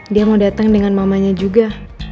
dia mau datang dengan mamanya juga